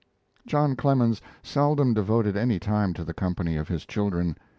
John Clemens seldom devoted any time to the company of his children.